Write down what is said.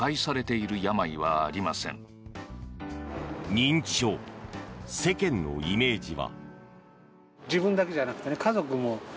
認知症、世間のイメージは。